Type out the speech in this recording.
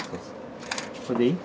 これでいい？